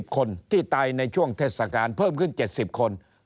คนที่ตายในช่วงเทศกาลเพิ่มขึ้น๗๐คน